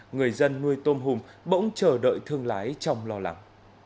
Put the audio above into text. người dân nuôi tôm hùm bỗng chờ đợi thương lái trong lo lắng